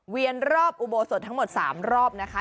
รอบอุโบสถทั้งหมด๓รอบนะคะ